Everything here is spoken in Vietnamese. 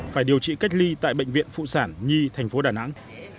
phải điều trị cách ly tại bệnh viện phụ sản nhi thành phố đà nẵng